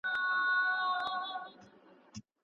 ځینې خلګ مادي عوامل تر کلتوري عواملو غوره ګڼي.